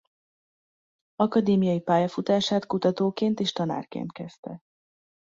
Akadémiai pályafutását kutatóként és tanárként kezdte.